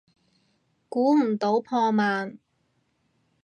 估唔到破万